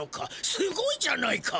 すごいじゃないか！